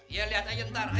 iya liat aja ntar ayo